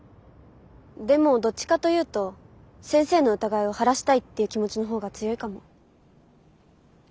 でもどっちかというと先生の疑いを晴らしたいっていう気持ちの方が強いかも。